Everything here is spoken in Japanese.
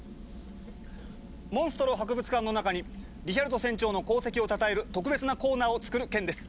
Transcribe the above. モンストロ博物館の中にリヒャルト船長の功績をたたえる特別なコーナーをつくる件です。